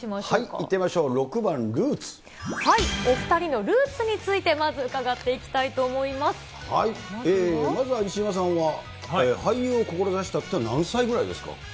いってみましょう、６番、お２人のルーツについて、まずは西島さんは、俳優を志したっていうのは何歳ぐらいですか？